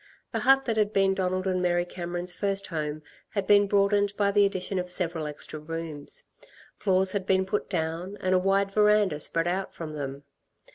The hut that had been Donald and Mary Cameron's first home had been broadened by the addition of several extra rooms. Floors had been put down and a wide verandah spread out from them.